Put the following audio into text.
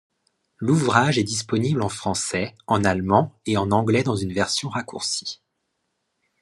L’ouvrage est disponible en français, en allemand et en anglais dans une version raccourcie.